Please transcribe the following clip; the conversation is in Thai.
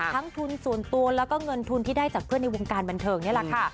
ทั้งทุนส่วนตัวแล้วก็เงินทุนที่ได้จากเพื่อนในวงการบันเทิงนี่แหละค่ะ